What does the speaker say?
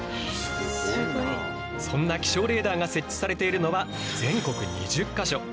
そんな気象レーダーが設置されているのは全国２０か所。